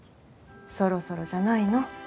そろそろじゃないの？